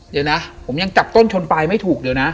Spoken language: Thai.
เดี๋ยวนะผมยังจับต้นชนปลายไม่ถูกเดี๋ยวนะ